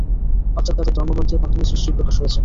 অর্থাৎ তাদের ধর্মগ্রন্থের মাধ্যমেই সৃষ্টির প্রকাশ হয়েছে।